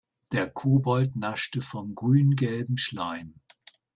Der Kobold naschte vom grüngelben Schleim.